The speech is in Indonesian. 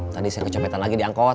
tadi saya kecopetan lagi di angkot